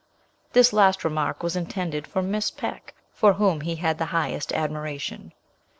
This last remark was intended for Miss Peck, for whom he had the highest admiration.